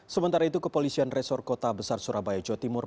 sementara itu kepolisian resor kota besar surabaya jawa timur